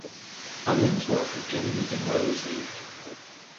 Onions' work has generally been well received.